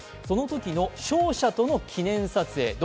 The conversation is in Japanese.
そのときの勝者との記念撮影。